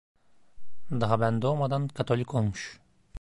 Daha ben doğmadan Katolik olmuş!